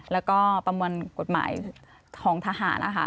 แล้วก็ประมวลกฎหมายของทหารนะคะ